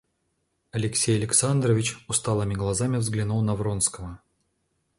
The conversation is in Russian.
Алексей Александрович усталыми глазами взглянул на Вронского.